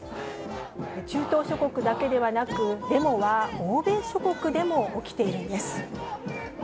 中東諸国だけではなく、デモは欧米諸国でも起きているんです。